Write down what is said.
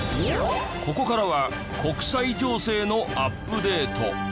ここからは国際情勢のアップデート。